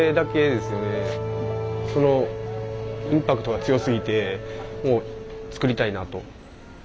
そのインパクトが強すぎてもう作りたいなと。